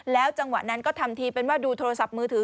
จังหวะนั้นก็ทำทีเป็นว่าดูโทรศัพท์มือถือ